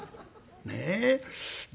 ねえ？